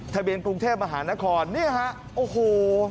ทะเบียนกรุงเทพมหานครนี่ฮะโอ้โห